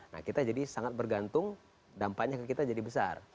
nah kita jadi sangat bergantung dampaknya ke kita jadi besar